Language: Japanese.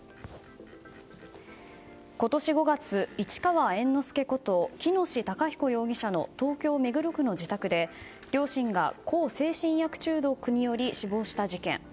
今年５月、市川猿之助こと喜熨斗孝彦容疑者の東京・目黒区の自宅で両親が向精神薬中毒により死亡した事件。